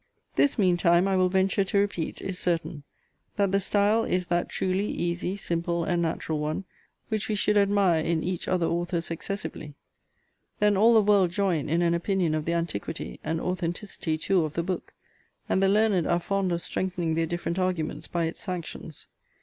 This, meantime, I will venture to repeat, is certain, that the style is that truly easy, simple, and natural one, which we should admire in each other authors excessively. Then all the world join in an opinion of the antiquity, and authenticity too, of the book; and the learned are fond of strengthening their different arguments by its sanctions.